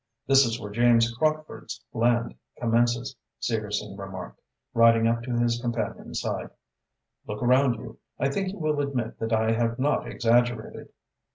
"This is where James Crockford's land commences," Segerson remarked, riding up to his companion's side. "Look around you. I think you will admit that I have not exaggerated."